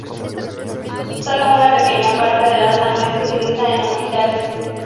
Sólo una pequeña parte de la sangre se utiliza en Hospitales.